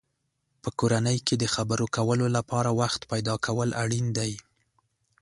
په کورنۍ کې د خبرو کولو لپاره وخت پیدا کول اړین دی.